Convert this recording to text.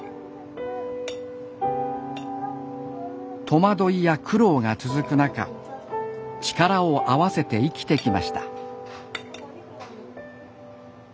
戸惑いや苦労が続く中力を合わせて生きてきました。